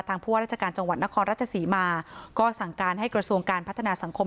ผู้ว่าราชการจังหวัดนครราชศรีมาก็สั่งการให้กระทรวงการพัฒนาสังคม